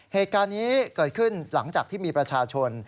เหตุการณ์นี้เกิดขึ้นหลังจากที่มีประชาชน